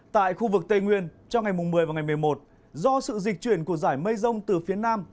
tại khu vực tây nguyên trong ngày một mươi và ngày một mươi một do sự dịch chuyển của giải mây rông từ phía nam